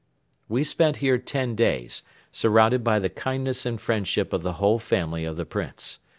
We spent here ten days, surrounded by the kindness and friendship of the whole family of the Prince.